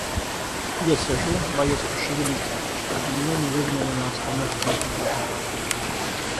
Я сижу, боясь пошевелиться, чтобы меня не выгнали на остановке из уборной.